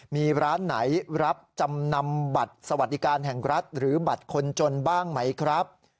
มีร้านไหนรับจำนำบัตรสวัสดิการแห่งรัฐหรือบัตรคนจนบ้างไหมครับ